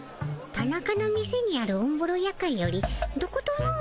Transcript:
タナカの店にあるおんぼろヤカンよりどことのう